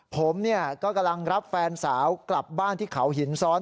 ผมก็กำลังรับแฟนสาวกลับบ้านที่เขาหินซ้อน